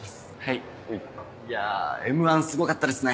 いや『Ｍ−１』すごかったですね。